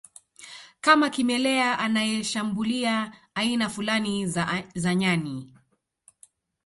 kama kimelea anayeshambulia aina fulani za nyani